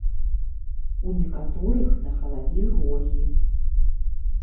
У некаторых на галаве рогі.